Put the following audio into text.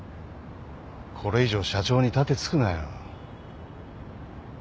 これ以上社長に盾突くなよ。